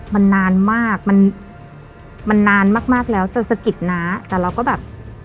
มันนานมากมันมันนานมากมากแล้วจะสะกิดน้าแต่เราก็แบบ